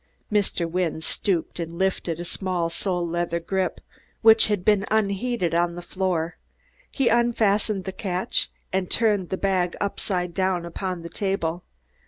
Mr. Wynne stooped and lifted the small sole leather grip which had been unheeded on the floor. He unfastened the catch and turned the bag upside down upon the table.